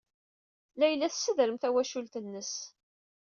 Layla tessedrem tawacult-nnes.